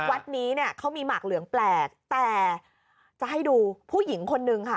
วัดนี้เนี่ยเขามีหมากเหลืองแปลกแต่จะให้ดูผู้หญิงคนนึงค่ะ